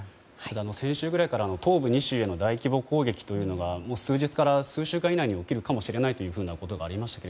先週くらいから東部２州への大規模攻撃が数日から数週間以内に起きるかもしれないという話がありましたが